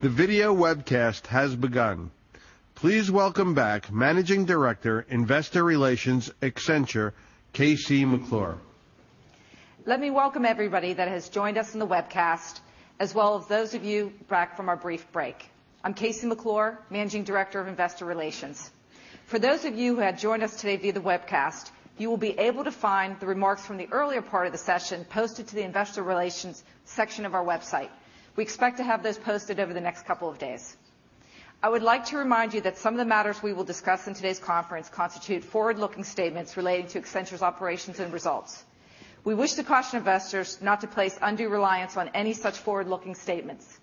The video webcast has begun. Please welcome back Managing Director, Investor Relations, Accenture, KC McClure. Let me welcome everybody that has joined us in the webcast, as well as those of you back from our brief break. I'm KC McClure, Managing Director of Investor Relations. For those of you who have joined us today via the webcast, you will be able to find the remarks from the earlier part of the session posted to the investor relations section of our website. We expect to have those posted over the next couple of days. I would like to remind you that some of the matters we will discuss in today's conference constitute forward-looking statements relating to Accenture's operations and results. We wish to caution investors not to place undue reliance on any such forward-looking statements.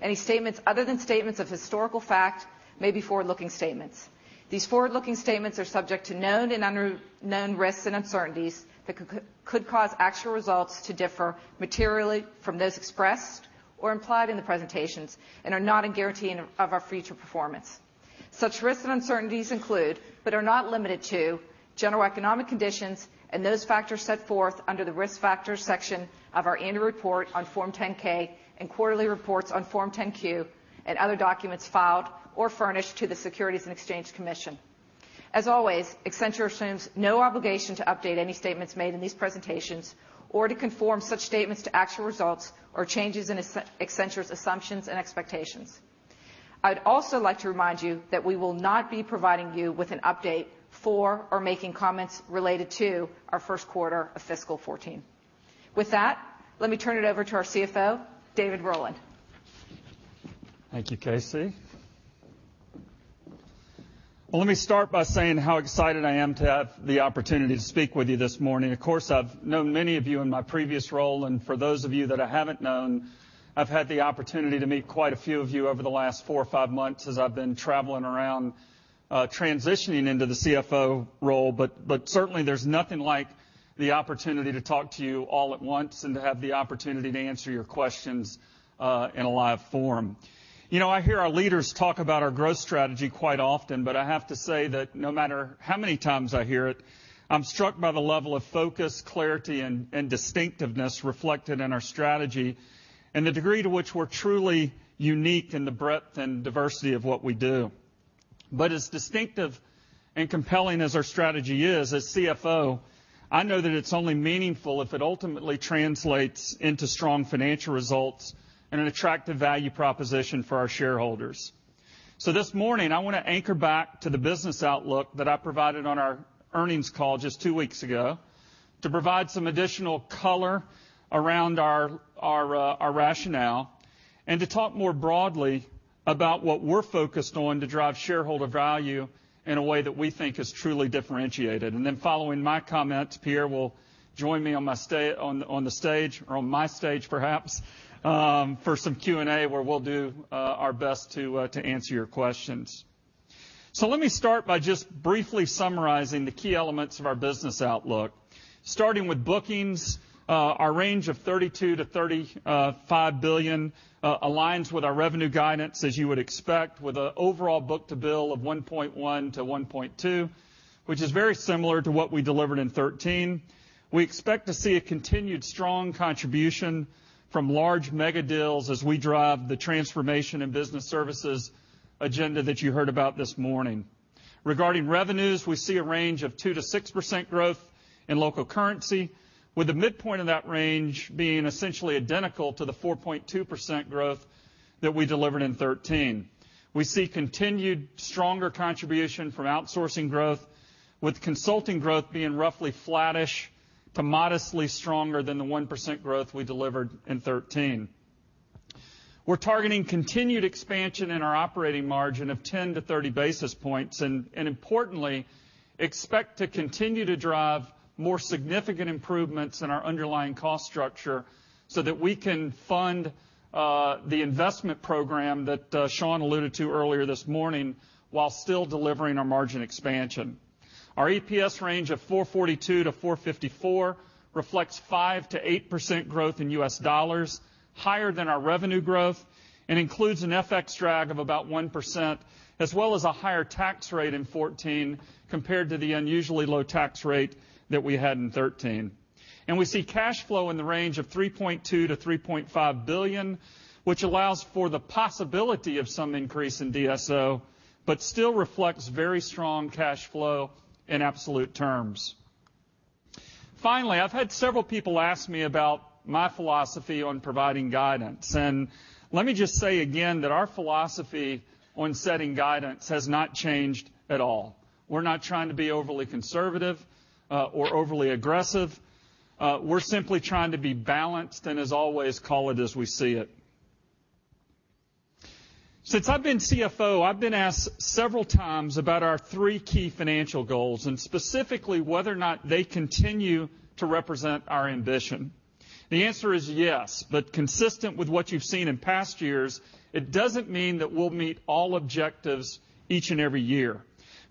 Any statements other than statements of historical fact may be forward-looking statements. These forward-looking statements are subject to known and unknown risks and uncertainties that could cause actual results to differ materially from those expressed or implied in the presentations and are not a guarantee of our future performance. Such risks and uncertainties include, but are not limited to, general economic conditions and those factors set forth under the Risk Factors section of our annual report on Form 10-K and quarterly reports on Form 10-Q and other documents filed or furnished to the Securities and Exchange Commission. As always, Accenture assumes no obligation to update any statements made in these presentations or to conform such statements to actual results or changes in Accenture's assumptions and expectations. I would also like to remind you that we will not be providing you with an update for or making comments related to our first quarter of fiscal 2014. With that, let me turn it over to our CFO, David Rowland. Thank you, KC McClure. Let me start by saying how excited I am to have the opportunity to speak with you this morning. Of course, I've known many of you in my previous role, and for those of you that I haven't known, I've had the opportunity to meet quite a few of you over the last four or five months as I've been traveling around transitioning into the CFO role. Certainly there's nothing like the opportunity to talk to you all at once and to have the opportunity to answer your questions in a live forum. I hear our leaders talk about our growth strategy quite often, I have to say that no matter how many times I hear it, I'm struck by the level of focus, clarity, and distinctiveness reflected in our strategy and the degree to which we're truly unique in the breadth and diversity of what we do. As distinctive and compelling as our strategy is, as CFO, I know that it's only meaningful if it ultimately translates into strong financial results and an attractive value proposition for our shareholders. This morning, I want to anchor back to the business outlook that I provided on our earnings call just two weeks ago to provide some additional color around our rationale and to talk more broadly about what we're focused on to drive shareholder value in a way that we think is truly differentiated. Following my comments, Pierre Nanterme will join me on the stage, or on my stage perhaps, for some Q&A where we'll do our best to answer your questions. Let me start by just briefly summarizing the key elements of our business outlook. Starting with bookings, our range of $32 billion-$35 billion aligns with our revenue guidance, as you would expect, with an overall book-to-bill of 1.1-1.2, which is very similar to what we delivered in 2013. We expect to see a continued strong contribution from large mega deals as we drive the transformation and business services agenda that you heard about this morning. Regarding revenues, we see a range of 2%-6% growth in local currency, with the midpoint of that range being essentially identical to the 4.2% growth that we delivered in 2013. We see continued stronger contribution from outsourcing growth, with consulting growth being roughly flattish to modestly stronger than the 1% growth we delivered in 2013. We're targeting continued expansion in our operating margin of 10-30 basis points, importantly, expect to continue to drive more significant improvements in our underlying cost structure so that we can fund the investment program that Shawn Collinson alluded to earlier this morning while still delivering our margin expansion. Our EPS range of $4.42-$4.54 reflects 5%-8% growth in US dollars, higher than our revenue growth, and includes an FX drag of about 1%, as well as a higher tax rate in 2014 compared to the unusually low tax rate that we had in 2013. We see cash flow in the range of $3.2 billion-$3.5 billion, which allows for the possibility of some increase in DSO, but still reflects very strong cash flow in absolute terms. I've had several people ask me about my philosophy on providing guidance. Let me just say again that our philosophy on setting guidance has not changed at all. We're not trying to be overly conservative or overly aggressive. We're simply trying to be balanced, as always, call it as we see it. Since I've been CFO, I've been asked several times about our three key financial goals and specifically whether or not they continue to represent our ambition. The answer is yes, consistent with what you've seen in past years, it doesn't mean that we'll meet all objectives each and every year.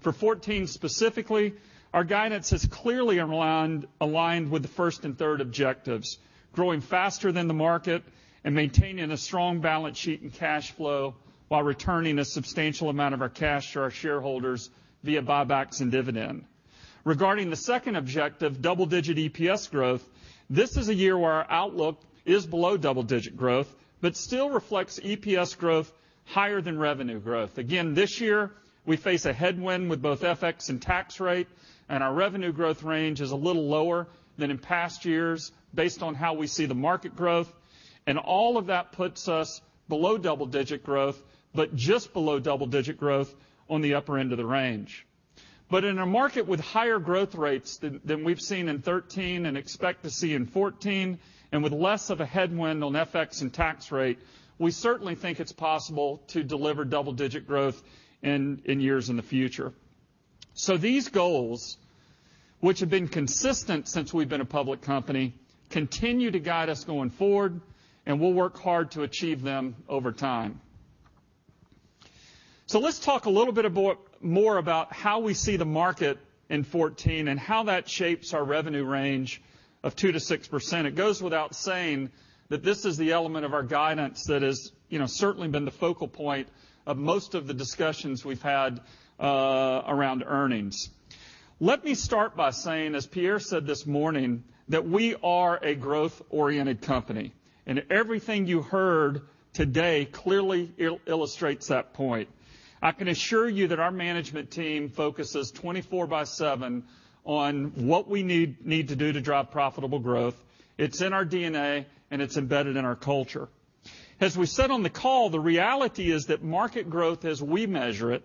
For 2014 specifically, our guidance is clearly aligned with the first and third objectives, growing faster than the market and maintaining a strong balance sheet and cash flow while returning a substantial amount of our cash to our shareholders via buybacks and dividend. Regarding the second objective, double-digit EPS growth, this is a year where our outlook is below double-digit growth, but still reflects EPS growth higher than revenue growth. This year, we face a headwind with both FX and tax rate. Our revenue growth range is a little lower than in past years based on how we see the market growth. All of that puts us below double-digit growth, just below double-digit growth on the upper end of the range. In a market with higher growth rates than we've seen in 2013 and expect to see in 2014, with less of a headwind on FX and tax rate, we certainly think it's possible to deliver double-digit growth in years in the future. These goals, which have been consistent since we've been a public company, continue to guide us going forward. We'll work hard to achieve them over time. Let's talk a little bit more about how we see the market in 2014 and how that shapes our revenue range of 2%-6%. It goes without saying that this is the element of our guidance that has certainly been the focal point of most of the discussions we've had around earnings. Let me start by saying, as Pierre said this morning, that we are a growth-oriented company. Everything you heard today clearly illustrates that point. I can assure you that our management team focuses 24 by 7 on what we need to do to drive profitable growth. It's in our DNA, it's embedded in our culture. As we said on the call, the reality is that market growth, as we measure it,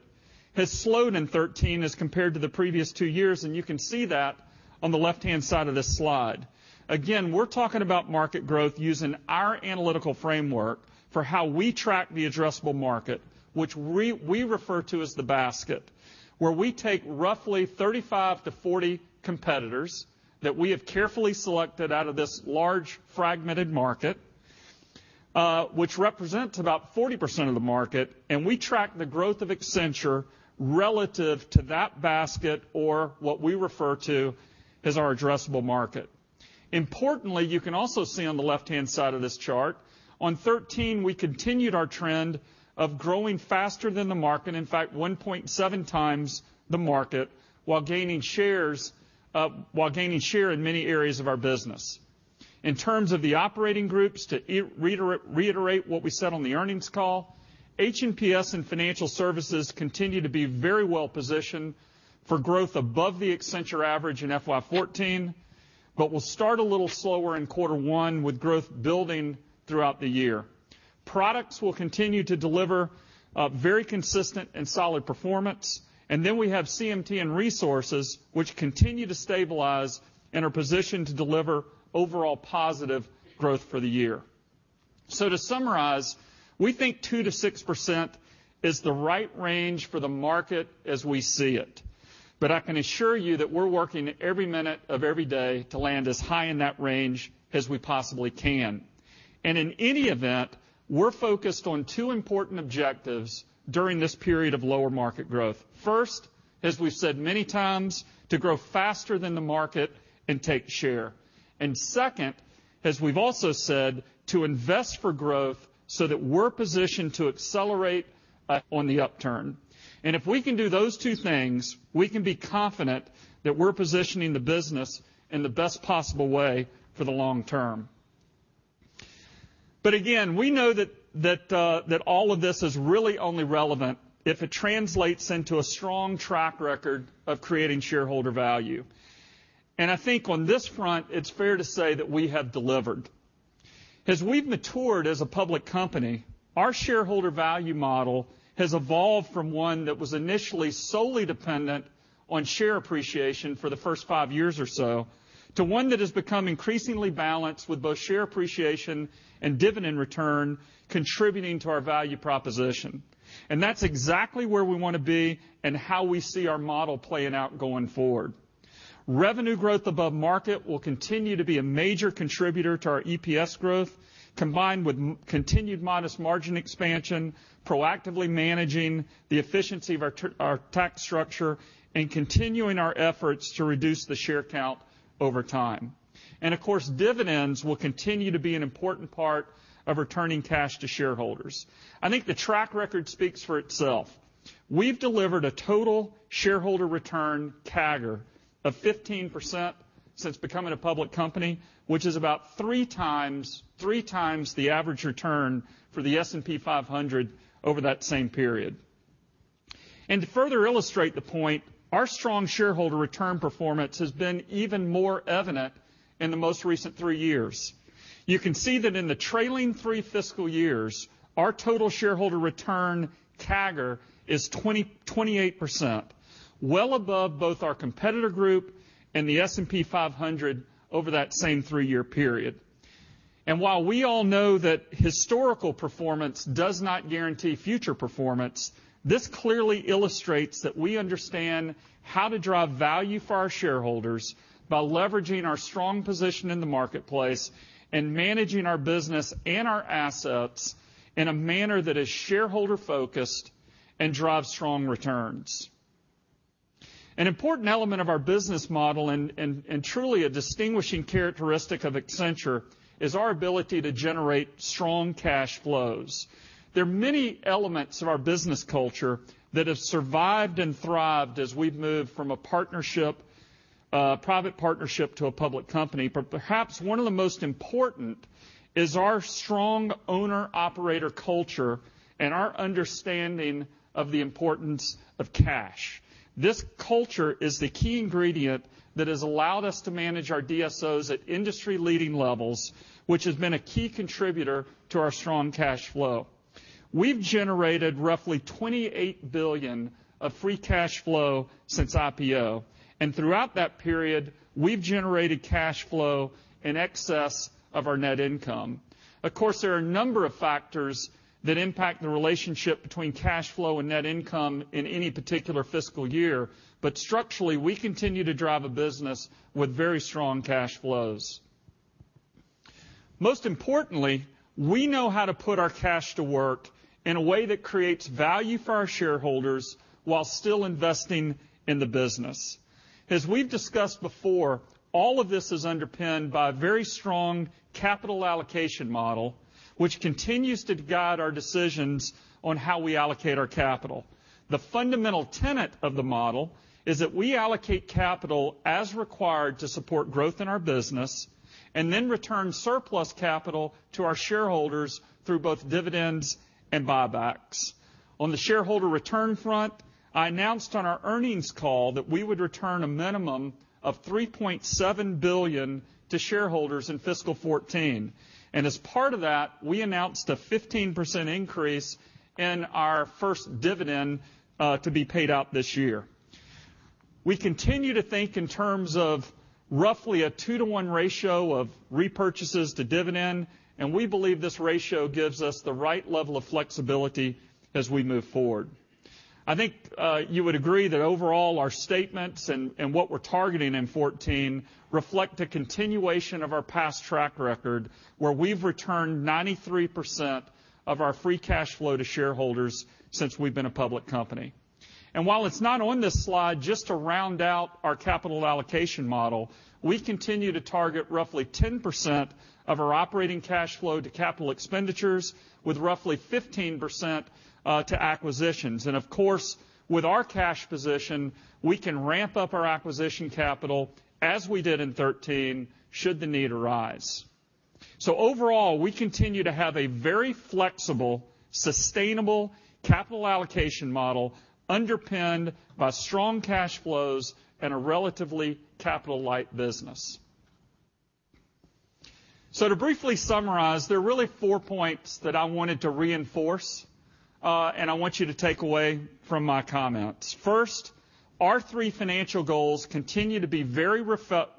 has slowed in 2013 as compared to the previous two years. You can see that on the left-hand side of this slide. We're talking about market growth using our analytical framework for how we track the addressable market, which we refer to as the basket, where we take roughly 35-40 competitors that we have carefully selected out of this large, fragmented market, which represents about 40% of the market, and we track the growth of Accenture relative to that basket or what we refer to as our addressable market. Importantly, you can also see on the left-hand side of this chart, on 2013, we continued our trend of growing faster than the market. In fact, 1.7 times the market while gaining share in many areas of our business. In terms of the operating groups, to reiterate what we said on the earnings call, H&PS and Financial Services continue to be very well-positioned for growth above the Accenture average in FY 2014, but we'll start a little slower in Q1 with growth building throughout the year. Products will continue to deliver a very consistent and solid performance. We have CMT and Resources, which continue to stabilize and are positioned to deliver overall positive growth for the year. To summarize, we think 2%-6% is the right range for the market as we see it. I can assure you that we're working every minute of every day to land as high in that range as we possibly can. In any event, we're focused on two important objectives during this period of lower market growth. First, as we've said many times, to grow faster than the market and take share. Second, as we've also said, to invest for growth so that we're positioned to accelerate on the upturn. If we can do those two things, we can be confident that we're positioning the business in the best possible way for the long term. We know that all of this is really only relevant if it translates into a strong track record of creating shareholder value. I think on this front, it's fair to say that we have delivered. As we've matured as a public company, our shareholder value model has evolved from one that was initially solely dependent on share appreciation for the first five years or so, to one that has become increasingly balanced with both share appreciation and dividend return contributing to our value proposition. That's exactly where we want to be and how we see our model playing out going forward. Revenue growth above market will continue to be a major contributor to our EPS growth, combined with continued modest margin expansion, proactively managing the efficiency of our tax structure, and continuing our efforts to reduce the share count over time. Of course, dividends will continue to be an important part of returning cash to shareholders. I think the track record speaks for itself. We've delivered a total shareholder return CAGR of 15% since becoming a public company, which is about three times the average return for the S&P 500 over that same period. To further illustrate the point, our strong shareholder return performance has been even more evident in the most recent three years. You can see that in the trailing three fiscal years, our total shareholder return CAGR is 28%, well above both our competitor group and the S&P 500 over that same three-year period. While we all know that historical performance does not guarantee future performance, this clearly illustrates that we understand how to drive value for our shareholders by leveraging our strong position in the marketplace and managing our business and our assets in a manner that is shareholder-focused and drives strong returns. An important element of our business model and truly a distinguishing characteristic of Accenture is our ability to generate strong cash flows. There are many elements of our business culture that have survived and thrived as we've moved from a private partnership to a public company. Perhaps one of the most important is our strong owner-operator culture and our understanding of the importance of cash. This culture is the key ingredient that has allowed us to manage our DSOs at industry-leading levels, which has been a key contributor to our strong cash flow. We've generated roughly $28 billion of free cash flow since IPO. Throughout that period, we've generated cash flow in excess of our net income. Of course, there are a number of factors that impact the relationship between cash flow and net income in any particular fiscal year, but structurally, we continue to drive a business with very strong cash flows. Most importantly, we know how to put our cash to work in a way that creates value for our shareholders while still investing in the business. As we've discussed before, all of this is underpinned by a very strong capital allocation model, which continues to guide our decisions on how we allocate our capital. The fundamental tenet of the model is that we allocate capital as required to support growth in our business. Then return surplus capital to our shareholders through both dividends and buybacks. On the shareholder return front, I announced on our earnings call that we would return a minimum of $3.7 billion to shareholders in fiscal 2014. As part of that, we announced a 15% increase in our first dividend to be paid out this year. We continue to think in terms of roughly a 2 to 1 ratio of repurchases to dividend. We believe this ratio gives us the right level of flexibility as we move forward. I think you would agree that overall our statements and what we're targeting in 2014 reflect a continuation of our past track record, where we've returned 93% of our free cash flow to shareholders since we've been a public company. While it's not on this slide, just to round out our capital allocation model, we continue to target roughly 10% of our operating cash flow to capital expenditures with roughly 15% to acquisitions. Of course, with our cash position, we can ramp up our acquisition capital as we did in 2013, should the need arise. Overall, we continue to have a very flexible, sustainable capital allocation model underpinned by strong cash flows and a relatively capital-light business. To briefly summarize, there are really four points that I wanted to reinforce, and I want you to take away from my comments. First, our three financial goals continue to be very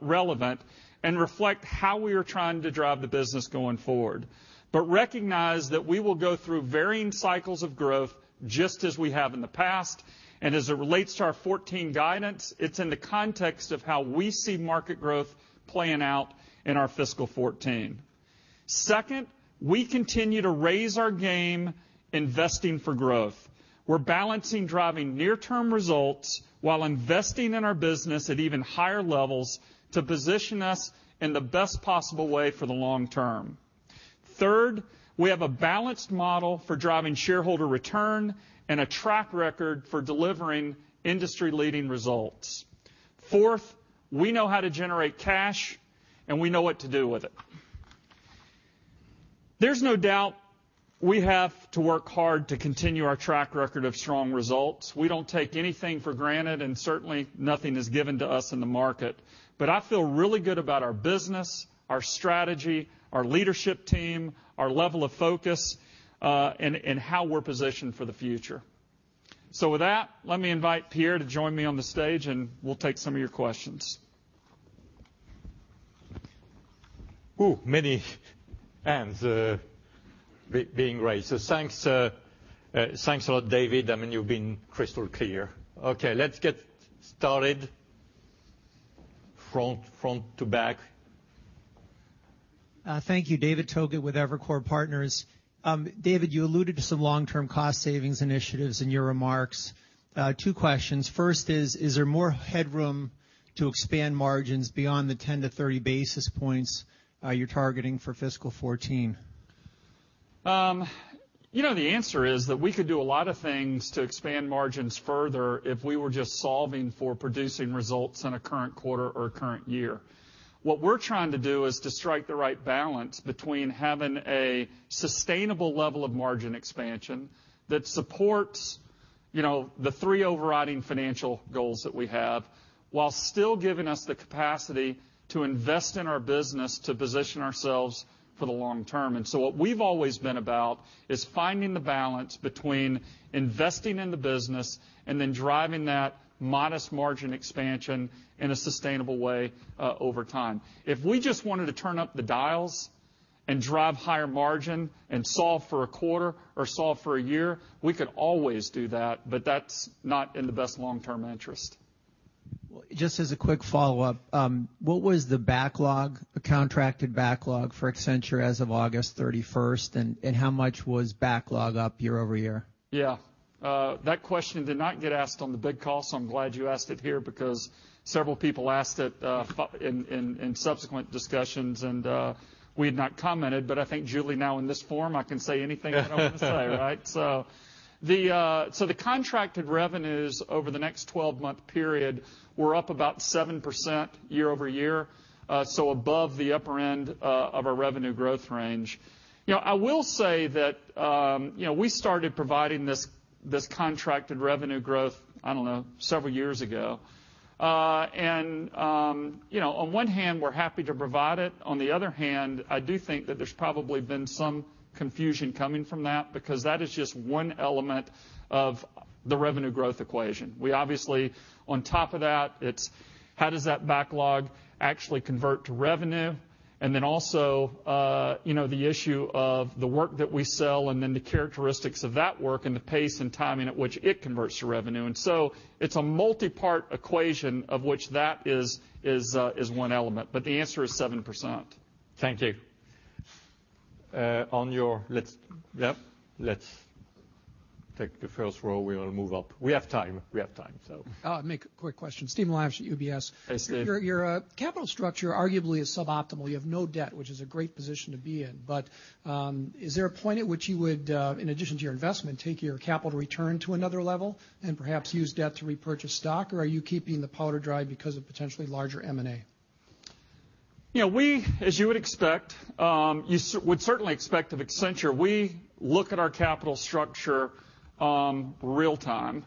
relevant and reflect how we are trying to drive the business going forward. Recognize that we will go through varying cycles of growth just as we have in the past, and as it relates to our 2014 guidance, it's in the context of how we see market growth playing out in our fiscal 2014. Second, we continue to raise our game investing for growth. We're balancing driving near-term results while investing in our business at even higher levels to position us in the best possible way for the long term. Third, we have a balanced model for driving shareholder return and a track record for delivering industry-leading results. Fourth, we know how to generate cash, and we know what to do with it. There's no doubt we have to work hard to continue our track record of strong results. We don't take anything for granted and certainly nothing is given to us in the market, but I feel really good about our business, our strategy, our leadership team, our level of focus, and how we're positioned for the future. With that, let me invite Pierre to join me on the stage and we'll take some of your questions. Many hands being raised. Thanks a lot, David. You've been crystal clear. Okay, let's get started. Front to back. Thank you. David Togut with Evercore Partners. David, you alluded to some long-term cost savings initiatives in your remarks. Two questions. First is there more headroom to expand margins beyond the 10 to 30 basis points you're targeting for fiscal 2014? The answer is that we could do a lot of things to expand margins further if we were just solving for producing results in a current quarter or a current year. What we're trying to do is to strike the right balance between having a sustainable level of margin expansion that supports the three overriding financial goals that we have, while still giving us the capacity to invest in our business to position ourselves for the long term. What we've always been about is finding the balance between investing in the business and then driving that modest margin expansion in a sustainable way over time. If we just wanted to turn up the dials and drive higher margin and solve for a quarter or solve for a year, we could always do that, but that's not in the best long-term interest. Just as a quick follow-up, what was the contracted backlog for Accenture as of August 31st, and how much was backlog up year-over-year? That question did not get asked on the big call, so I'm glad you asked it here because several people asked it in subsequent discussions and we had not commented. I think Julie, now in this forum, I can say anything that I want to say, right? The contracted revenues over the next 12-month period were up about 7% year-over-year, so above the upper end of our revenue growth range. I will say that we started providing this contracted revenue growth, I don't know, several years ago. On one hand, we're happy to provide it. On the other hand, I do think that there's probably been some confusion coming from that, because that is just one element of the revenue growth equation. We obviously, on top of that, it's how does that backlog actually convert to revenue? Also the issue of the work that we sell and then the characteristics of that work and the pace and timing at which it converts to revenue. It's a multi-part equation of which that is one element, but the answer is 7%. Thank you. Let's take the first row. We will move up. We have time. I'll make a quick question. Steve Milunovich at UBS. Hey, Steve. Your capital structure arguably is suboptimal. You have no debt, which is a great position to be in. Is there a point at which you would, in addition to your investment, take your capital return to another level and perhaps use debt to repurchase stock? Are you keeping the powder dry because of potentially larger M&A? As you would expect, you would certainly expect of Accenture, we look at our capital structure real time.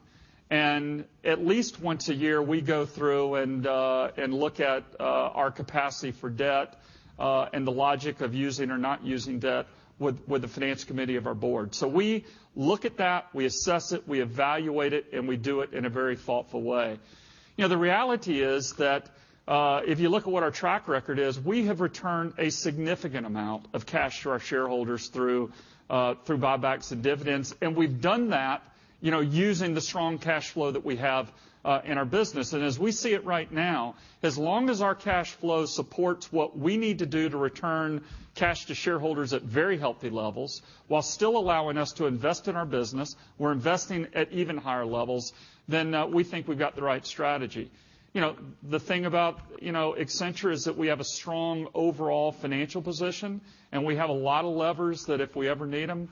At least once a year, we go through and look at our capacity for debt, and the logic of using or not using debt with the finance committee of our board. We look at that, we assess it, we evaluate it, and we do it in a very thoughtful way. The reality is that if you look at what our track record is, we have returned a significant amount of cash to our shareholders through buybacks and dividends. We've done that using the strong cash flow that we have in our business. As we see it right now, as long as our cash flow supports what we need to do to return cash to shareholders at very healthy levels, while still allowing us to invest in our business, we're investing at even higher levels, we think we've got the right strategy. The thing about Accenture is that we have a strong overall financial position, and we have a lot of levers that if we ever need them,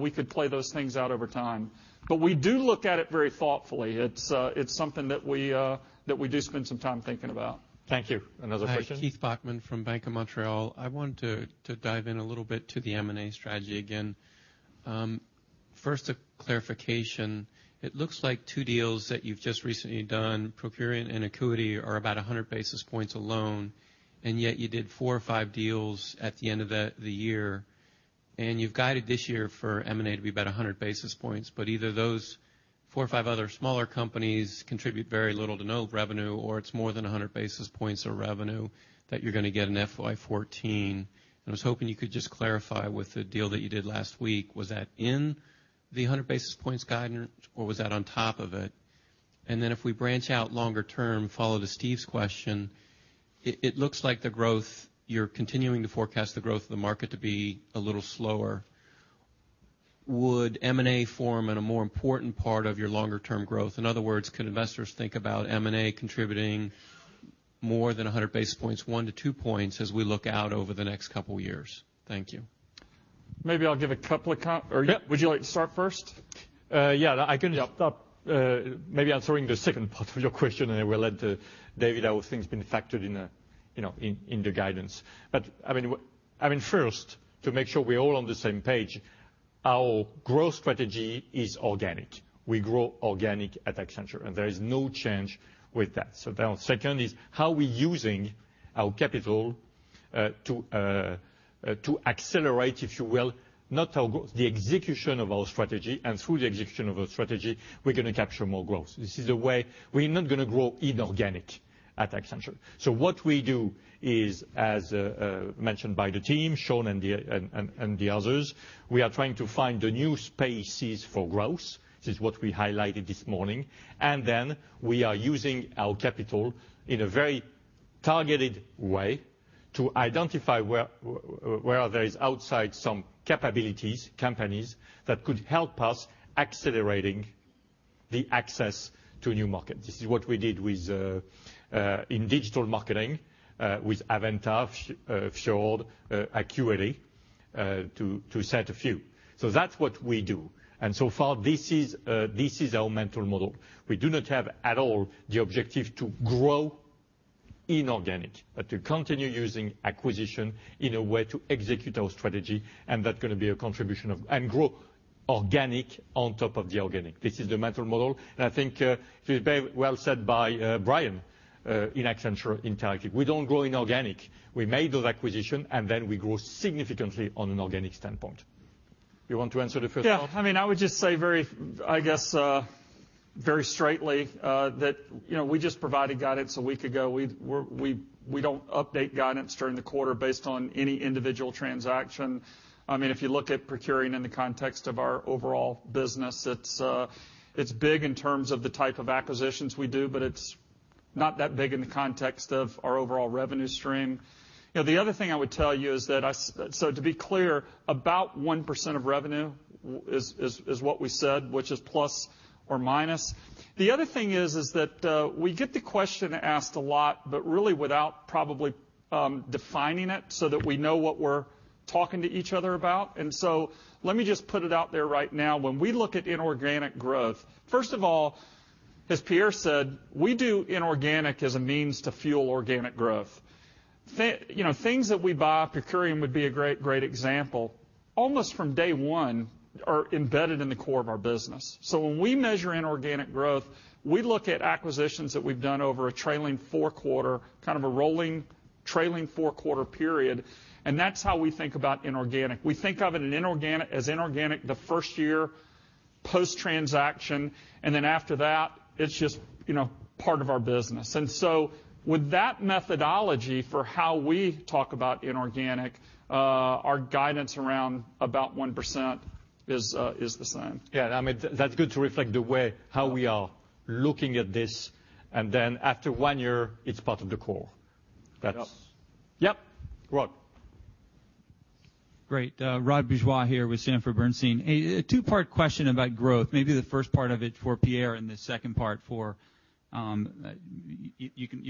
we could play those things out over time. We do look at it very thoughtfully. It's something that we do spend some time thinking about. Thank you. Another question. Hi. Keith Bachman from Bank of Montreal. I wanted to dive in a little bit to the M&A strategy again. First, a clarification. It looks like two deals that you've just recently done, Procurian and Acquity, are about 100 basis points alone, yet you did four or five deals at the end of the year. You've guided this year for M&A to be about 100 basis points, but either those four or five other smaller companies contribute very little to no revenue, or it's more than 100 basis points of revenue that you're going to get in FY 2014. I was hoping you could just clarify with the deal that you did last week, was that in the 100 basis points guidance, or was that on top of it? Then if we branch out longer term, follow to Steve's question, it looks like you're continuing to forecast the growth of the market to be a little slower. Would M&A form in a more important part of your longer term growth? In other words, could investors think about M&A contributing more than 100 basis points, 1-2 points, as we look out over the next couple of years? Thank you. Maybe I'll give a couple. Yeah Would you like to start first? Yeah. I can start maybe answering the second part of your question, it will lead to David how things been factored in the guidance. First, to make sure we're all on the same page, our growth strategy is organic. We grow organic at Accenture, and there is no change with that. Second is how we're using our capital to accelerate, if you will, the execution of our strategy. Through the execution of our strategy, we're going to capture more growth. This is the way. We're not going to grow inorganic at Accenture. What we do is, as mentioned by the team, Shawn and the others, we are trying to find the new spaces for growth. This is what we highlighted this morning. We are using our capital in a very targeted way to identify where there is outside some capabilities, companies that could help us accelerating the access to new markets. This is what we did in digital marketing with avVenta, Fjord, Acquity to set a few. That's what we do. So far, this is our mental model. We do not have at all the objective to grow inorganic, but to continue using acquisition in a way to execute our strategy, and that going to be a contribution of and grow organic on top of the organic. This is the mental model, I think it was very well said by Brian in Accenture Interactive. We don't grow inorganic. We made those acquisitions, we grow significantly on an organic standpoint. You want to answer the first part? Yeah. I would just say, I guess very straightly that we just provided guidance a week ago. We don't update guidance during the quarter based on any individual transaction. If you look at Procurian in the context of our overall business, it's big in terms of the type of acquisitions we do, but it's not that big in the context of our overall revenue stream. The other thing I would tell you is that, to be clear, about 1% of revenue is what we said, which is plus or minus. The other thing is that we get the question asked a lot, but really without probably defining it so that we know what we're talking to each other about. Let me just put it out there right now. When we look at inorganic growth, first of all, as Pierre said, we do inorganic as a means to fuel organic growth. Things that we buy, Procurian would be a great example, almost from day one are embedded in the core of our business. When we measure inorganic growth, we look at acquisitions that we've done over a trailing four-quarter, kind of a rolling trailing four-quarter period, that's how we think about inorganic. We think of it as inorganic the first year post-transaction, after that, it's just part of our business. With that methodology for how we talk about inorganic, our guidance around about 1% is the same. Yeah. That's good to reflect the way how we are looking at this, and then after one year, it's part of the core. Yes. Yep. Rod. Great. Rod Bourgeois here with Sanford C. Bernstein. A two-part question about growth, maybe the first part of it for Pierre and the second part. You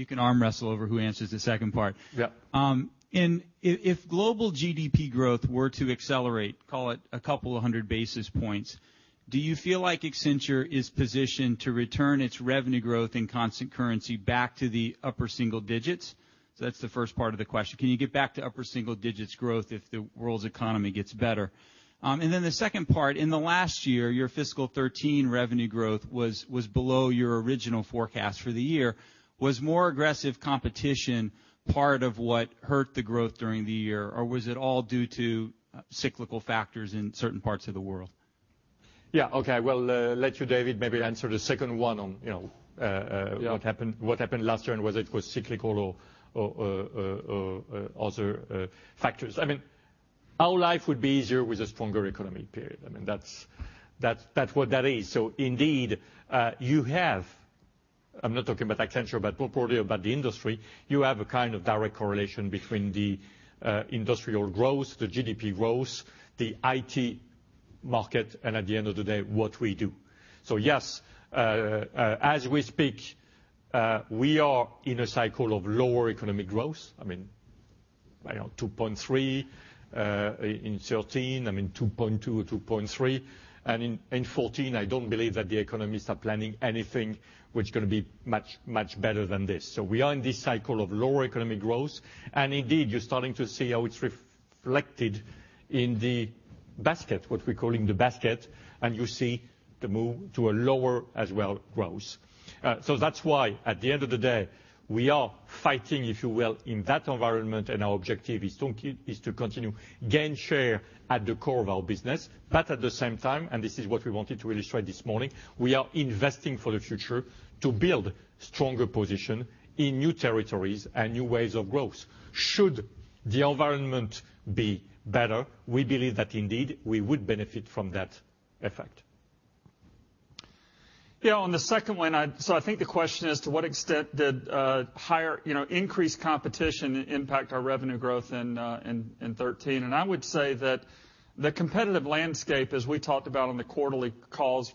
can arm wrestle over who answers the second part. Yeah. If global GDP growth were to accelerate, call it a couple of hundred basis points, do you feel like Accenture is positioned to return its revenue growth in constant currency back to the upper single digits? That's the first part of the question. Can you get back to upper single digits growth if the world's economy gets better? The second part, in the last year, your fiscal 2013 revenue growth was below your original forecast for the year. Was more aggressive competition part of what hurt the growth during the year, or was it all due to cyclical factors in certain parts of the world? Yeah. Okay. We'll let you, David, maybe answer the second one. Yeah what happened last year and was it cyclical or other factors? Our life would be easier with a stronger economy, period. That's what that is. Indeed, you have, I'm not talking about Accenture, but more broadly about the industry, you have a kind of direct correlation between the industrial growth, the GDP growth, the IT market, and at the end of the day, what we do. Yes, as we speak, we are in a cycle of lower economic growth. 2.3 in 2013, 2.2.3. In 2014, I don't believe that the economists are planning anything which going to be much, much better than this. We are in this cycle of lower economic growth. Indeed, you're starting to see how it's reflected in the basket, what we're calling the basket, and you see the move to a lower as well growth. That's why, at the end of the day, we are fighting, if you will, in that environment. Our objective is to continue gain share at the core of our business. At the same time, this is what we wanted to illustrate this morning, we are investing for the future to build stronger position in new territories and new ways of growth. Should the environment be better, we believe that indeed we would benefit from that effect. Yeah, on the second one, I think the question is to what extent did increased competition impact our revenue growth in 2013? I would say that the competitive landscape, as we talked about on the quarterly calls,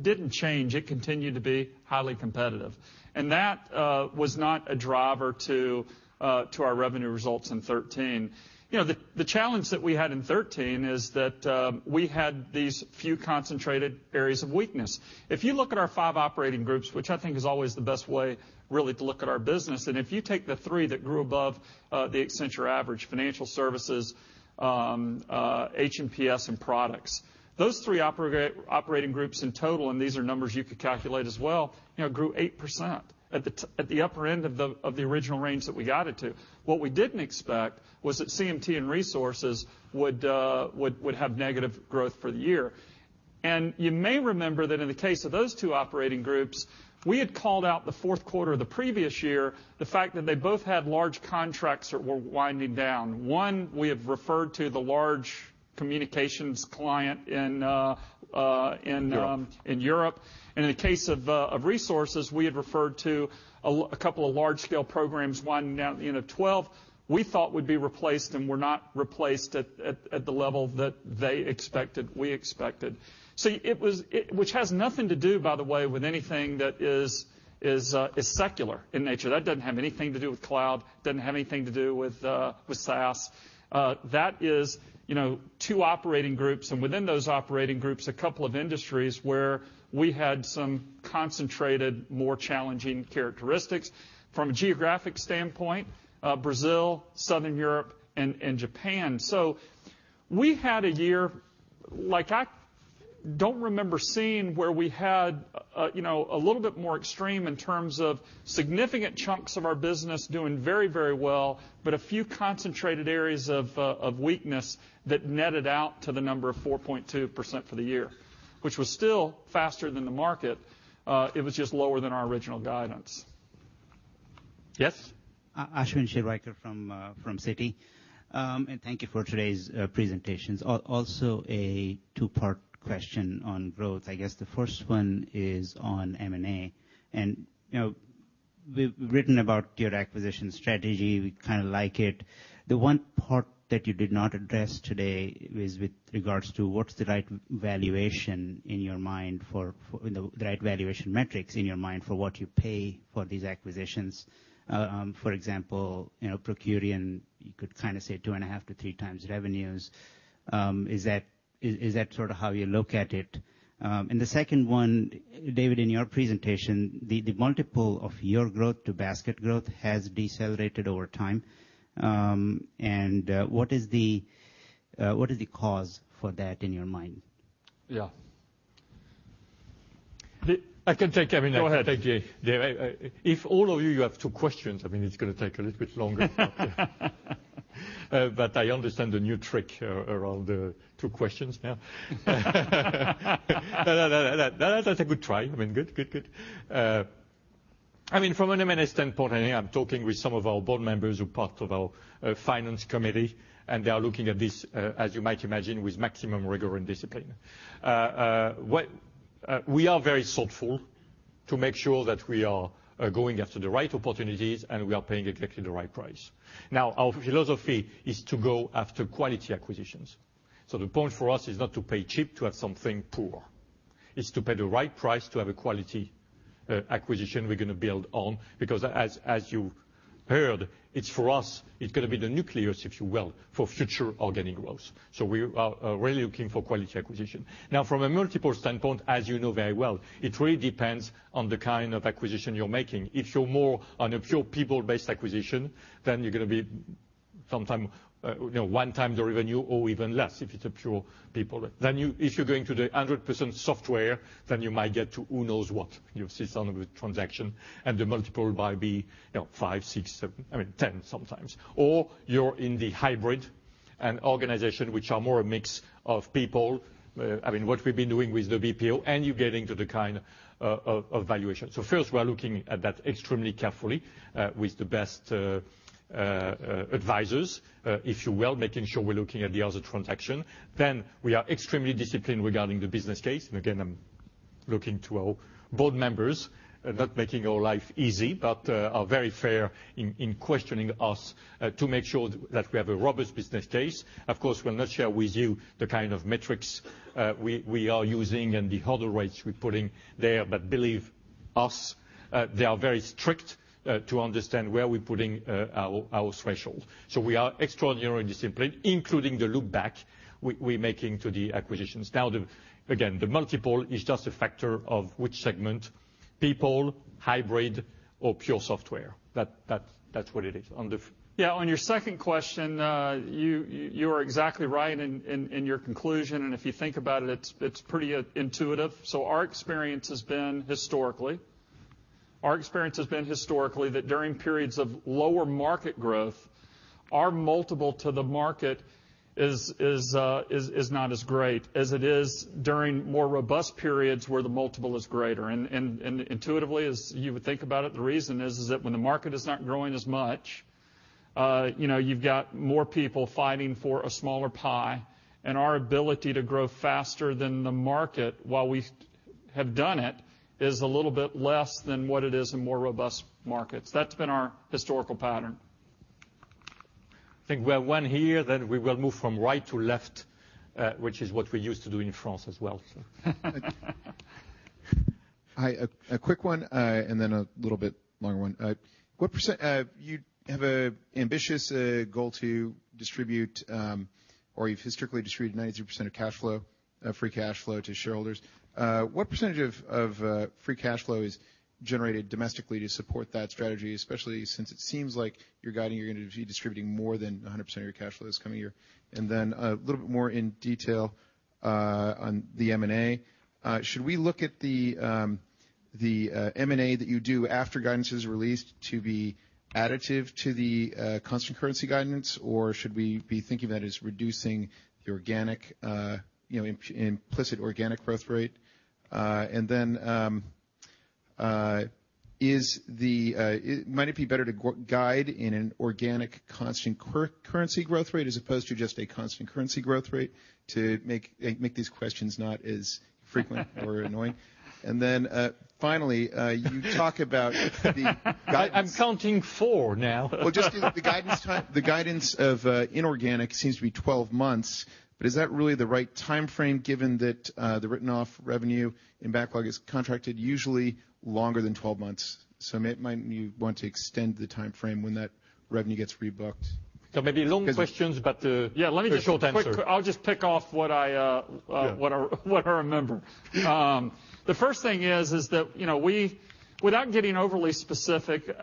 didn't change. It continued to be highly competitive. That was not a driver to our revenue results in 2013. The challenge that we had in 2013 is that we had these few concentrated areas of weakness. If you look at our five operating groups, which I think is always the best way really to look at our business, and if you take the three that grew above the Accenture average, Financial Services, H&PS, and Products. Those three operating groups in total, and these are numbers you could calculate as well, grew 8% at the upper end of the original range that we guided to. What we didn't expect was that CMT and Resources would have negative growth for the year. You may remember that in the case of those two operating groups, we had called out the fourth quarter of the previous year, the fact that they both had large contracts that were winding down. One, we have referred to the large communications client in- Europe Europe. In the case of Resources, we had referred to a couple of large scale programs winding down at the end of 2012 we thought would be replaced and were not replaced at the level that they expected, we expected. Which has nothing to do, by the way, with anything that is secular in nature. That doesn't have anything to do with cloud, doesn't have anything to do with SaaS. That is two operating groups, and within those operating groups, a couple of industries where we had some concentrated, more challenging characteristics from a geographic standpoint, Brazil, Southern Europe, and Japan. We had a year like I don't remember seeing where we had a little bit more extreme in terms of significant chunks of our business doing very, very well, but a few concentrated areas of weakness that netted out to the number of 4.2% for the year. Which was still faster than the market, it was just lower than our original guidance. Yes? Ashwin Shirvaikar from Citi. Thank you for today's presentations. Also a two-part question on growth. I guess the first one is on M&A. We've written about your acquisition strategy. We kind of like it. The one part that you did not address today was with regards to what's the right valuation metrics in your mind for what you pay for these acquisitions. For example, Procurian, you could kind of say 2.5 to 3 times revenues. Is that sort of how you look at it? The second one, David, in your presentation, the multiple of your growth to basket growth has decelerated over time. What is the cause for that in your mind? Yeah. I can take, Kevin. Go ahead. I take it. If all of you have two questions, I mean, it's going to take a little bit longer. I understand the new trick around the two questions now. That's a good try. I mean, good. From an M&A standpoint, I'm talking with some of our board members who are part of our finance committee, and they are looking at this, as you might imagine, with maximum rigor and discipline. We are very thoughtful to make sure that we are going after the right opportunities, and we are paying exactly the right price. Our philosophy is to go after quality acquisitions. The point for us is not to pay cheap to have something poor. It's to pay the right price to have a quality acquisition we're going to build on. As you heard, it's for us, it's going to be the nucleus, if you will, for future organic growth. We are really looking for quality acquisition. From a multiple standpoint, as you know very well, it really depends on the kind of acquisition you're making. If you're more on a pure people-based acquisition, then you're going to be one times the revenue or even less if it's a pure people. If you're going to the 100% software, then you might get to who knows what. You see some of the transaction and the multiple may be five, six, seven, I mean, 10 sometimes. You're in the hybrid, an organization which are more a mix of people, I mean, what we've been doing with the BPO, and you get into the kind of valuation. First, we are looking at that extremely carefully, with the best advisors, if you will, making sure we're looking at the other transaction. We are extremely disciplined regarding the business case. Again, I'm looking to our board members, not making our life easy, but are very fair in questioning us, to make sure that we have a robust business case. Of course, we'll not share with you the kind of metrics we are using and the hurdle rates we're putting there. Believe us, they are very strict to understand where we're putting our threshold. We are extraordinarily disciplined, including the look back we're making to the acquisitions. Again, the multiple is just a factor of which segment, people, hybrid or pure software. That's what it is. Yeah, on your second question, you are exactly right in your conclusion. If you think about it's pretty intuitive. Our experience has been historically that during periods of lower market growth, our multiple to the market is not as great as it is during more robust periods where the multiple is greater. Intuitively, as you would think about it, the reason is that when the market is not growing as much, you've got more people fighting for a smaller pie. Our ability to grow faster than the market, while we have done it, is a little bit less than what it is in more robust markets. That's been our historical pattern. I think we have one here, we will move from right to left, which is what we used to do in France as well. Hi, a quick one, a little bit longer one. You have an ambitious goal to distribute, or you've historically distributed 93% of free cash flow to shareholders. What percentage of free cash flow is generated domestically to support that strategy, especially since it seems like you're guiding you're going to be distributing more than 100% of your cash flow this coming year? A little bit more in detail on the M&A. Should we look at the M&A that you do after guidance is released to be additive to the constant currency guidance, or should we be thinking of that as reducing the implicit organic growth rate? Might it be better to guide in an organic constant currency growth rate as opposed to just a constant currency growth rate to make these questions not as frequent or annoying? finally, you talk about the. I'm counting four now. just the guidance of inorganic seems to be 12 months, is that really the right timeframe given that the written off revenue in backlog is contracted usually longer than 12 months? might you want to extend the timeframe when that revenue gets rebooked? maybe long questions. Yeah, let me just. A short answer. I'll just pick off what I remember. Yeah. The first thing is that without getting overly specific,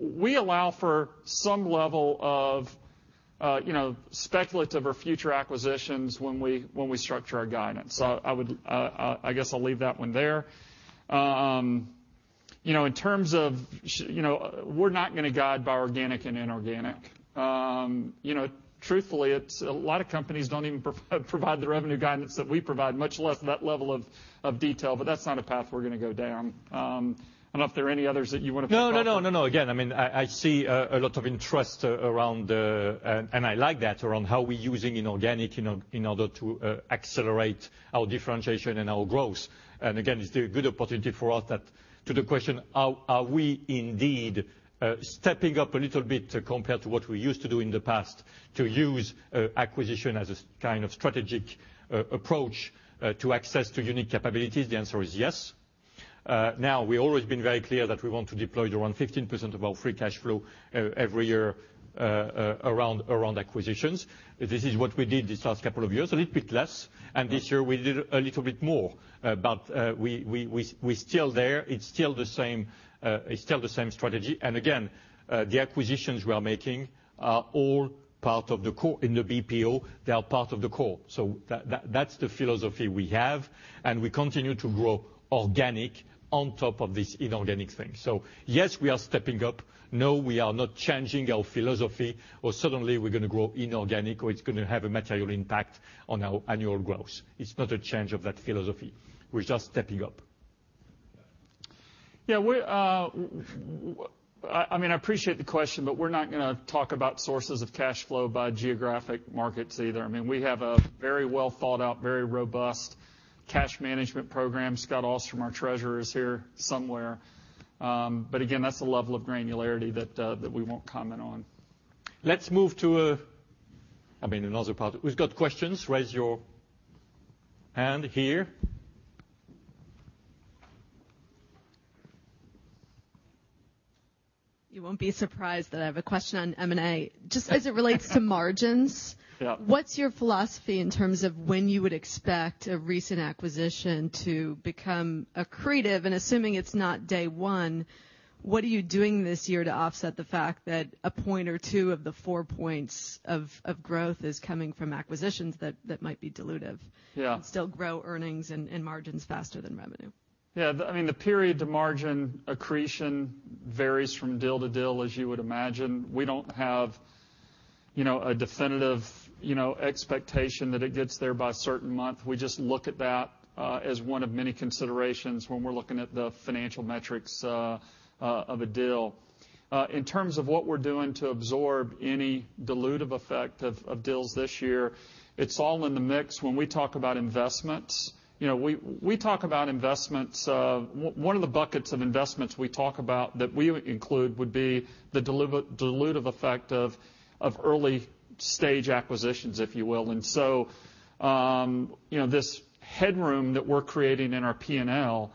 we allow for some level of speculative or future acquisitions when we structure our guidance. I guess I'll leave that one there. In terms of we're not going to guide by organic and inorganic. Truthfully, a lot of companies don't even provide the revenue guidance that we provide, much less that level of detail, that's not a path we're going to go down. I don't know if there are any others that you want to pick up? No. I see a lot of interest around how we're using inorganic in order to accelerate our differentiation and our growth. It's a good opportunity for us that to the question, are we indeed stepping up a little bit compared to what we used to do in the past to use acquisition as a kind of strategic approach to access to unique capabilities? The answer is yes. We've always been very clear that we want to deploy around 15% of our free cash flow every year around acquisitions. This is what we did these last couple of years, a little bit less. This year we did a little bit more. We're still there. It's still the same strategy. The acquisitions we are making are all part of the core. In the BPO, they are part of the core. That's the philosophy we have, we continue to grow organic on top of this inorganic thing. Yes, we are stepping up. No, we are not changing our philosophy or suddenly we're going to grow inorganic, or it's going to have a material impact on our annual growth. It's not a change of that philosophy. We're just stepping up. Yeah. I appreciate the question, we're not going to talk about sources of cash flow by geographic markets either. We have a very well thought out, very robust cash management program. Scott Ahlstrom, our Treasurer, is here somewhere. That's the level of granularity that we won't comment on. Let's move to another part. Who's got questions? Raise your hand here. You won't be surprised that I have a question on M&A. Just as it relates to margins. Yeah. What's your philosophy in terms of when you would expect a recent acquisition to become accretive? Assuming it's not day one, what are you doing this year to offset the fact that a point or two of the four points of growth is coming from acquisitions that might be dilutive? Yeah. Still grow earnings and margins faster than revenue. Yeah. The period to margin accretion varies from deal to deal, as you would imagine. We don't have a definitive expectation that it gets there by a certain month. We just look at that as one of many considerations when we're looking at the financial metrics of a deal. In terms of what we're doing to absorb any dilutive effect of deals this year, it's all in the mix. When we talk about investments, one of the buckets of investments we talk about that we would include would be the dilutive effect of early-stage acquisitions, if you will. This headroom that we're creating in our P&L,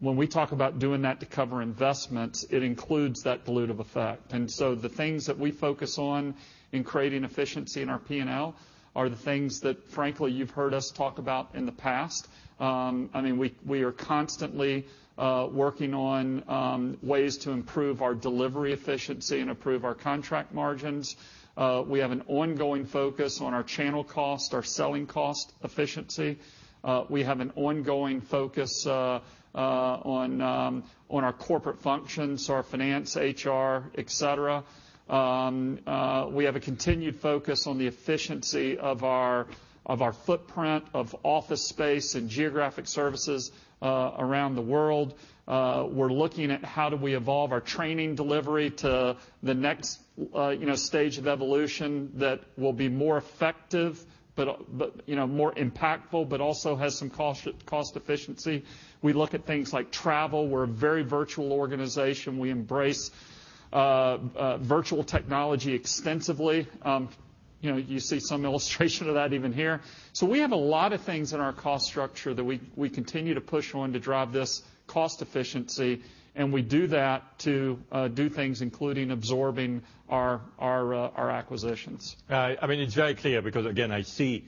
when we talk about doing that to cover investments, it includes that dilutive effect. The things that we focus on in creating efficiency in our P&L are the things that, frankly, you've heard us talk about in the past. We are constantly working on ways to improve our delivery efficiency and improve our contract margins. We have an ongoing focus on our channel cost, our selling cost efficiency. We have an ongoing focus on our corporate functions, our finance, HR, et cetera. We have a continued focus on the efficiency of our footprint of office space and geographic services around the world. We're looking at how do we evolve our training delivery to the next stage of evolution that will be more effective but more impactful, but also has some cost efficiency. We look at things like travel. We're a very virtual organization. We embrace virtual technology extensively. You see some illustration of that even here. We have a lot of things in our cost structure that we continue to push on to drive this cost efficiency, and we do that to do things, including absorbing our acquisitions. It's very clear because, again, I see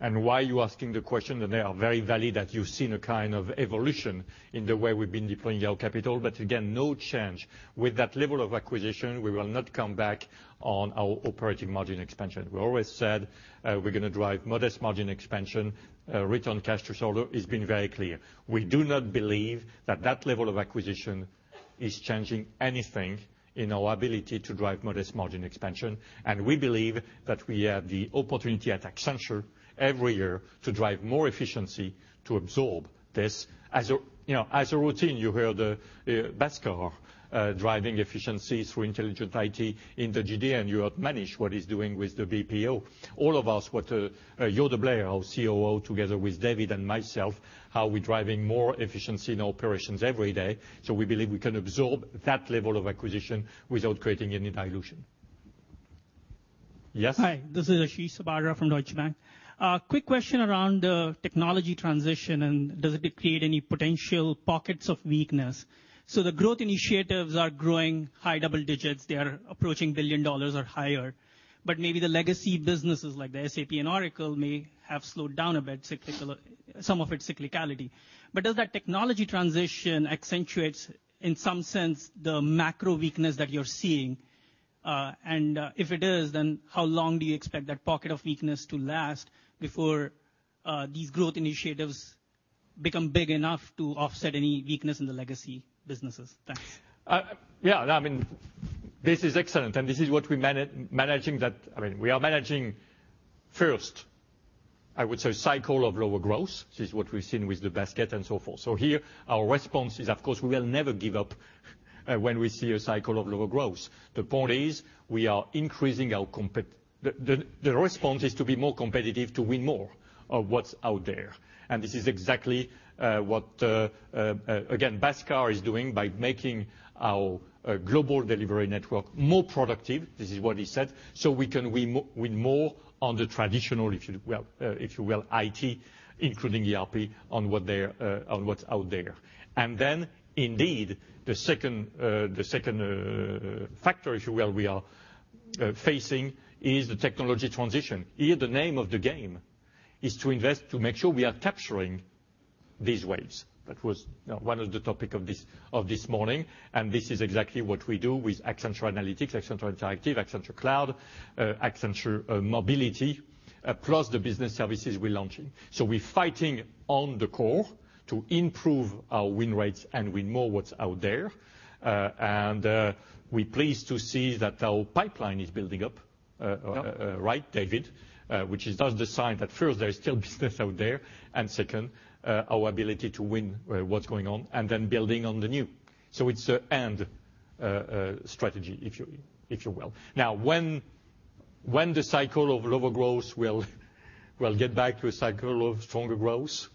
and why you're asking the question, and they are very valid, that you've seen a kind of evolution in the way we've been deploying our capital. Again, no change. With that level of acquisition, we will not come back on our operating margin expansion. We always said we're going to drive modest margin expansion, return on capital. It's been very clear. We do not believe that that level of acquisition is changing anything in our ability to drive modest margin expansion. We believe that we have the opportunity at Accenture every year to drive more efficiency to absorb this. As a routine, you heard Bhaskar driving efficiencies through intelligent IT in the GD, and you heard Manish, what he's doing with the BPO. All of us were Joerg Blechschmidt, our COO, together with David and myself, how we're driving more efficiency in operations every day. We believe we can absorb that level of acquisition without creating any dilution. Yes? Hi, this is Ashish Subbaraman from Deutsche Bank. A quick question around the technology transition, does it create any potential pockets of weakness? The growth initiatives are growing high double digits. They are approaching $1 billion or higher. Maybe the legacy businesses like the SAP and Oracle may have slowed down a bit, some of its cyclicality. Does that technology transition accentuate, in some sense, the macro weakness that you're seeing? If it is, how long do you expect that pocket of weakness to last? These growth initiatives become big enough to offset any weakness in the legacy businesses? Thanks. Yeah. This is what we are managing. First, I would say cycle of lower growth. This is what we've seen with the basket and so forth. Here, our response is, of course, we will never give up when we see a cycle of lower growth. The point is, the response is to be more competitive to win more of what's out there. This is exactly what, again, Bhaskar is doing by making our global delivery network more productive. This is what he said. We can win more on the traditional, if you will, IT, including ERP on what's out there. Indeed, the second factor, if you will, we are facing is the technology transition. Here, the name of the game is to invest to make sure we are capturing these waves. That was one of the topic of this morning, this is exactly what we do with Accenture Analytics, Accenture Interactive, Accenture Cloud, Accenture Mobility, plus the business services we're launching. We're fighting on the core to improve our win rates and win more what's out there. We're pleased to see that our pipeline is building up, right, David? Which is the sign that first, there is still business out there, second, our ability to win what's going on, and then building on the new. It's an and strategy, if you will. Now, when the cycle of lower growth will get back to a cycle of stronger growth.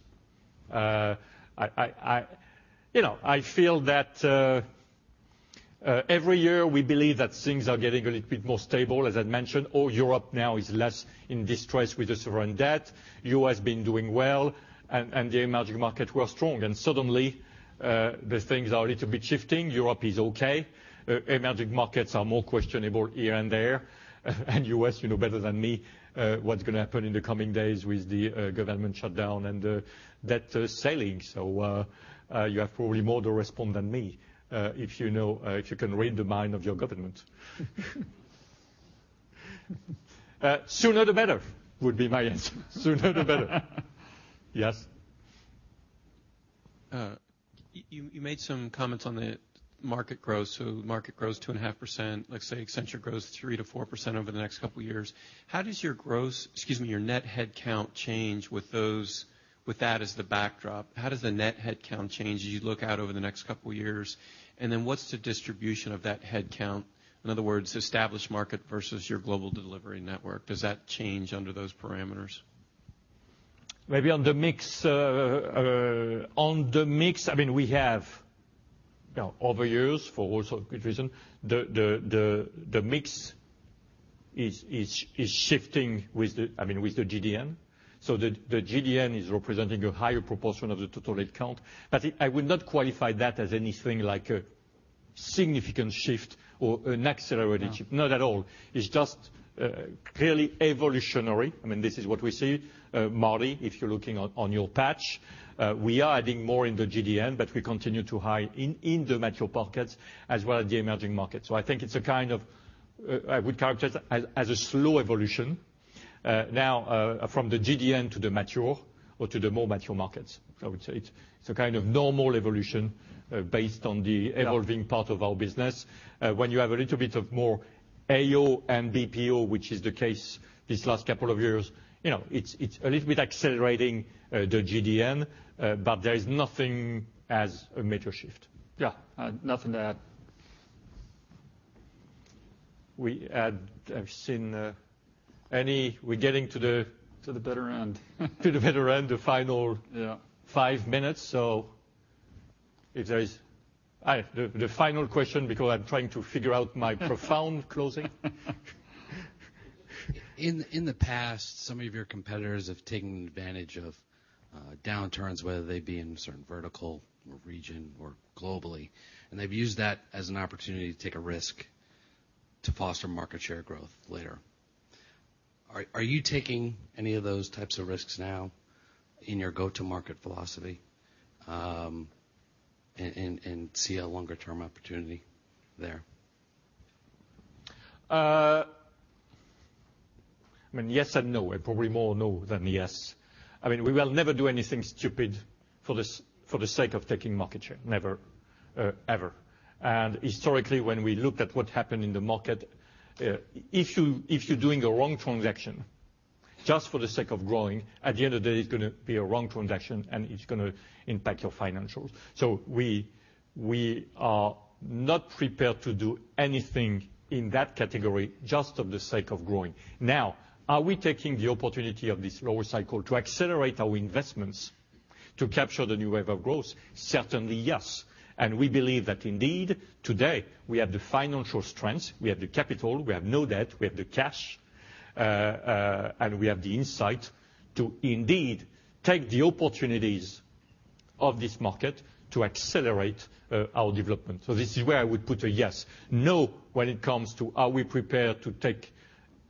I feel that every year we believe that things are getting a little bit more stable, as I mentioned. All Europe now is less in distress with the sovereign debt. U.S. been doing well, the emerging markets were strong. Suddenly, the things are a little bit shifting. Europe is okay. Emerging markets are more questionable here and there. U.S. you know better than me, what's going to happen in the coming days with the government shutdown and the debt ceiling. You have probably more to respond than me. If you can read the mind of your government. Sooner the better would be my answer. Sooner the better. Yes. You made some comments on the market growth. Market grows 2.5%. Let's say Accenture grows 3%-4% over the next couple of years. How does your net headcount change with that as the backdrop? How does the net headcount change as you look out over the next couple of years? What's the distribution of that headcount? In other words, established market versus your global delivery network. Does that change under those parameters? Maybe on the mix. We have over years, for also good reason, the mix is shifting with the GDN. The GDN is representing a higher proportion of the total headcount. I would not qualify that as anything like a significant shift or an accelerated shift. No. Not at all. It's just clearly evolutionary. This is what we see. Marty, if you're looking on your patch. We are adding more in the GDN, but we continue to hire in the mature pockets as well as the emerging markets. I think I would characterize as a slow evolution. From the GDN to the mature or to the more mature markets, I would say it's a kind of normal evolution based on the evolving part of our business. When you have a little bit of more AO and BPO, which is the case this last couple of years. It's a little bit accelerating the GDN, but there is nothing as a major shift. Yeah. Nothing to add. I've seen. We're getting to. To the better end. To the better end. Yeah Five minutes. If there is the final question, because I'm trying to figure out my profound closing. In the past, some of your competitors have taken advantage of downturns, whether they be in a certain vertical or region or globally, and they've used that as an opportunity to take a risk to foster market share growth later. Are you taking any of those types of risks now in your go-to market philosophy, and see a longer term opportunity there? Yes and no. Probably more no than yes. We will never do anything stupid for the sake of taking market share. Never, ever. Historically, when we look at what happened in the market, if you're doing a wrong transaction just for the sake of growing, at the end of the day, it's going to be a wrong transaction, and it's going to impact your financials. We are not prepared to do anything in that category just for the sake of growing. Are we taking the opportunity of this lower cycle to accelerate our investments to capture the new wave of growth? Certainly, yes. We believe that indeed, today, we have the financial strength, we have the capital, we have no debt, we have the cash, and we have the insight to indeed take the opportunities of this market to accelerate our development. This is where I would put a yes. No, when it comes to are we prepared to take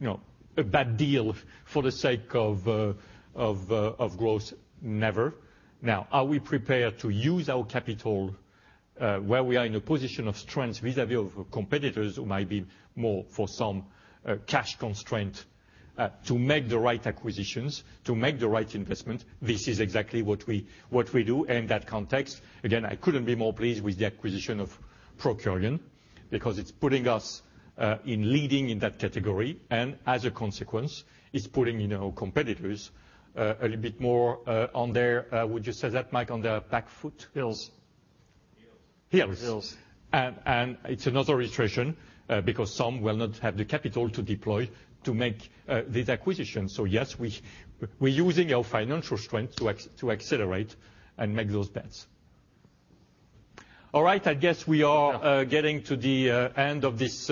a bad deal for the sake of growth. Never. Are we prepared to use our capital where we are in a position of strength vis-à-vis of competitors who might be more for some cash constraint to make the right acquisitions, to make the right investment. This is exactly what we do in that context. Again, I couldn't be more pleased with the acquisition of Procurian Because it's putting us in leading in that category, and as a consequence, it's putting competitors a little bit more on their, would you say that, Mike, on their back foot? Heels. Heels. Heels. Heels. It's another iteration, because some will not have the capital to deploy to make these acquisitions. Yes, we're using our financial strength to accelerate and make those bets. All right, I guess we are getting to the end of this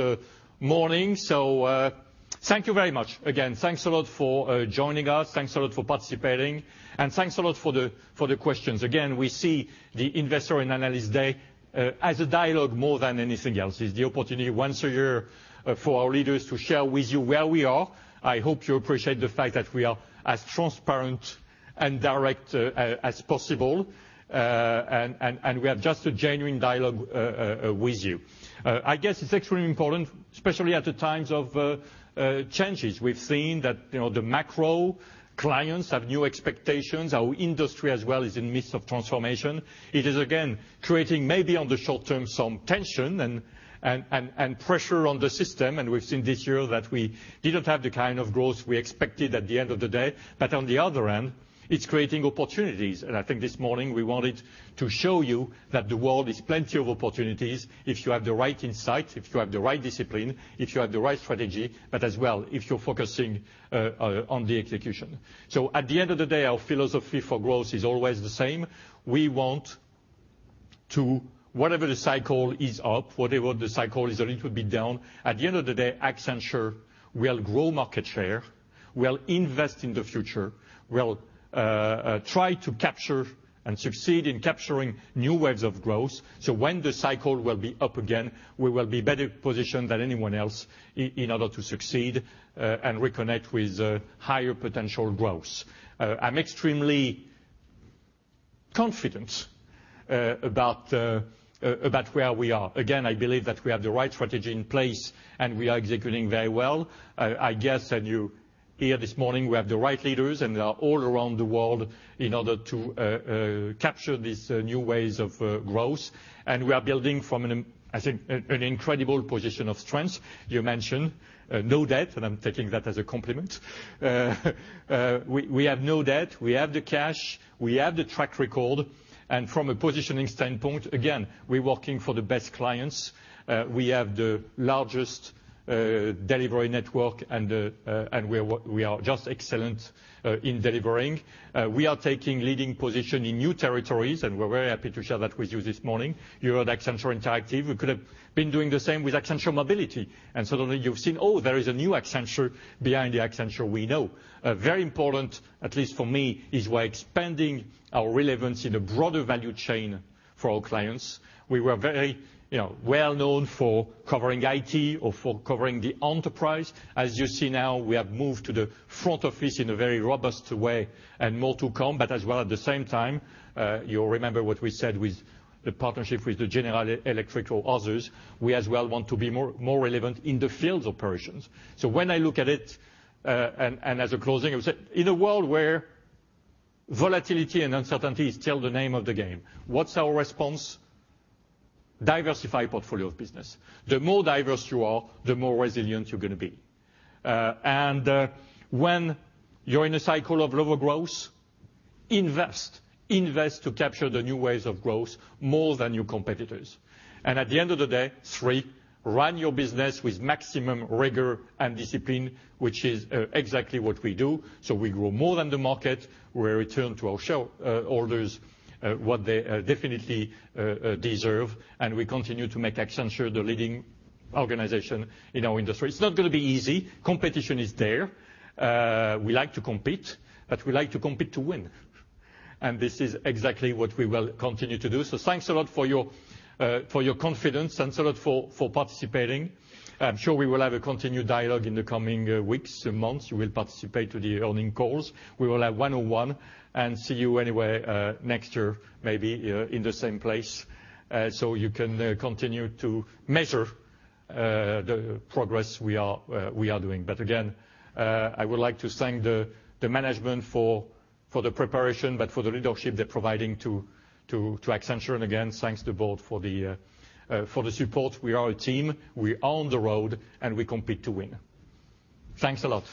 morning. Thank you very much. Again, thanks a lot for joining us. Thanks a lot for participating and thanks a lot for the questions. Again, we see the Investor and Analyst Day as a dialogue more than anything else. It's the opportunity once a year, for our leaders to share with you where we are. I hope you appreciate the fact that we are as transparent and direct as possible. We have just a genuine dialogue with you. I guess it's extremely important, especially at the times of changes. We've seen that the macro and clients have new expectations. Our industry as well is in midst of transformation. It is, again, creating maybe on the short term, some tension and pressure on the system. We've seen this year that we didn't have the kind of growth we expected at the end of the day. On the other hand, it's creating opportunities. I think this morning we wanted to show you that the world is plenty of opportunities if you have the right insight, if you have the right discipline, if you have the right strategy, but as well if you're focusing on the execution. At the end of the day, our philosophy for growth is always the same. Whatever the cycle is up, whatever the cycle is a little bit down, at the end of the day, Accenture will grow market share, will invest in the future. We'll try to capture and succeed in capturing new waves of growth. When the cycle will be up again, we will be better positioned than anyone else in order to succeed and reconnect with higher potential growth. I'm extremely confident about where we are. Again, I believe that we have the right strategy in place and we are executing very well. You hear this morning, we have the right leaders and they are all around the world in order to capture these new waves of growth. We are building from, I think, an incredible position of strength. You mentioned no debt, and I'm taking that as a compliment. We have no debt. We have the cash. We have the track record. From a positioning standpoint, again, we're working for the best clients. We have the largest delivery network and we are just excellent in delivering. We are taking leading position in new territories, and we're very happy to share that with you this morning. You heard Accenture Interactive. We could have been doing the same with Accenture Mobility. Suddenly you've seen, oh, there is a new Accenture behind the Accenture we know. Very important, at least for me, is we're expanding our relevance in a broader value chain for our clients. We were very well known for covering IT or for covering the enterprise. As you see now, we have moved to the front office in a very robust way and more to come. As well as the same time, you'll remember what we said with the partnership with General Electric or others, we as well want to be more relevant in the field operations. When I look at it, and as a closing, I would say in a world where volatility and uncertainty is still the name of the game, what's our response? Diversify portfolio of business. The more diverse you are, the more resilient you're going to be. When you're in a cycle of lower growth, invest. Invest to capture the new waves of growth more than your competitors. At the end of the day, three, run your business with maximum rigor and discipline, which is exactly what we do. We grow more than the market, we return to our shareholders what they definitely deserve, and we continue to make Accenture the leading organization in our industry. It's not going to be easy. Competition is there. We like to compete, but we like to compete to win. This is exactly what we will continue to do. Thanks a lot for your confidence and thanks a lot for participating. I'm sure we will have a continued dialogue in the coming weeks and months. You will participate to the earning calls. We will have one-on-one and see you anyway next year, maybe in the same place, so you can continue to measure the progress we are doing. Again, I would like to thank the management for the preparation, but for the leadership they're providing to Accenture. Again, thanks to both for the support. We are a team. We are on the road, and we compete to win. Thanks a lot.